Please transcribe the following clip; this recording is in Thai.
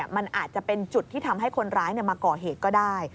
มันอาจจะเป็นจุดที่ทำให้คนร้ายมาก่อเหตุก็ได้